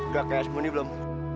gak kayak asmuni belum